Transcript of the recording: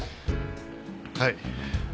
はい。